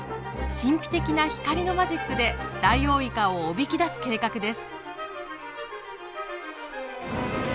神秘的な光のマジックでダイオウイカをおびき出す計画です。